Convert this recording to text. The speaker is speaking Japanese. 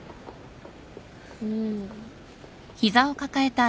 うん。